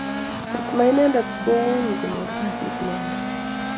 kot ma inendet ko wuinkonyor kasit inendet